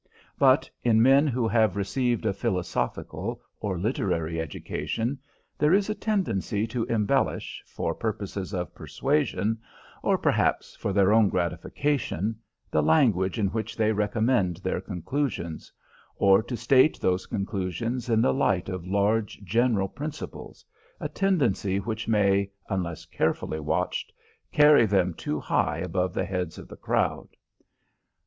But in men who have received a philosophical or literary education there is a tendency to embellish, for purposes of persuasion, or perhaps for their own gratification, the language in which they recommend their conclusions, or to state those conclusions in the light of large general principles, a tendency which may, unless carefully watched, carry them too high above the heads of the crowd.